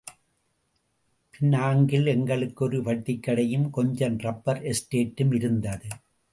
பினாங்கில் எங்களுக்கு ஒரு வட்டிக்கடையும் கொஞ்சம் ரப்பர் எஸ்டேட்டும் இருந்தது.